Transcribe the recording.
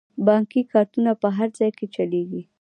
بانکي کارتونه په هر ځای کې چلیږي.